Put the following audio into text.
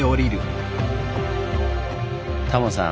タモさん